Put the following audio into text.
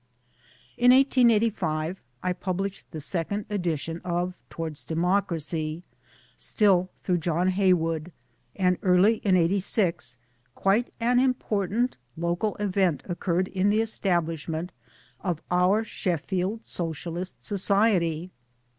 124 SHEFFIELD AND SOCIALISM 125 In 1885 I published the second edition of Towards Democracystill through John Heywood ; and early in '86 quite an important local event occurred in the establishment of our Sheffield Socialist Society.